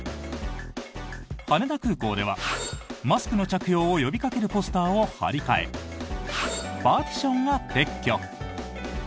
羽田空港ではマスクの着用を呼びかけるポスターを貼り替えパーティションを撤去。